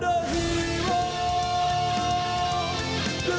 สวัสดีครับทุกคน